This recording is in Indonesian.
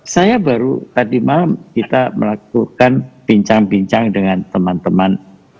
saya baru tadi malam kita melakukan bincang bincang dengan teman teman